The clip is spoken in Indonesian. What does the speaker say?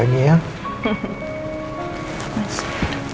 eh iya onudah enorme